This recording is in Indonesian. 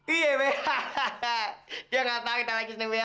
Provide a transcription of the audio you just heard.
iya be hahaha dia nggak tau kita lagi seneng be